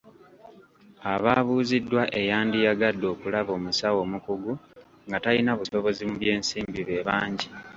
Abaabuuziddwa eyandiyagadde okulaba omusawo omukugu nga talina busobozi mu by'ensimbi bebangi.